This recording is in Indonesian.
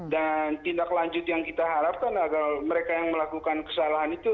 dan tindak lanjut yang kita harapkan agar mereka yang melakukan kesalahan itu